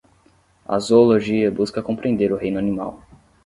A zoologia busca compreender o reino animal